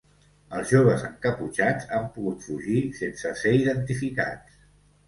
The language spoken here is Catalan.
Els joves encaputxats han pogut fugir sense ser identificats.